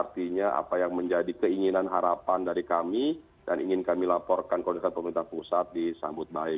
terima kasih pak wagub